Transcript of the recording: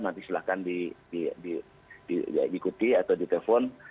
nanti silahkan diikuti atau ditelepon